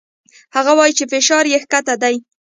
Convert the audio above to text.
هغه وايي چې فشار يې کښته ديه.